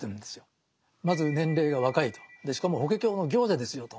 まず年齢が若いとしかも「法華経の行者」ですよと。